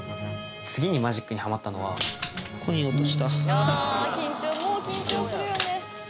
次にマジックにハマったのはあ緊張もう緊張するよね